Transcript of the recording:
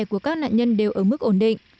của các nạn nhân đều ở mức ổn định